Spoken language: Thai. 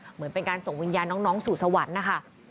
เหมือนเป็นการส่งวิญญาณน้องสู่สวรรค์นะคะ